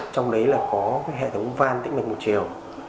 trong đấy là có hệ thống van tĩnh lực một chiều